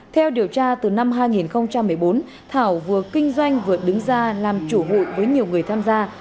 theo điều tra từ năm hai nghìn một mươi bốn thảo vừa kinh doanh vừa đứng ra làm chủ hụi với nhiều người tham gia